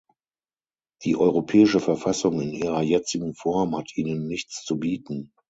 Die europäische Verfassung in ihrer jetzigen Form hat ihnen nichts zu bieten.